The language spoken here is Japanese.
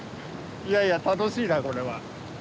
いやいや楽しいなこれは。